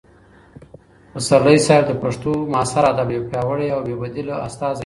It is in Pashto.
پسرلي صاحب د پښتو معاصر ادب یو پیاوړی او بې بدیله استازی دی.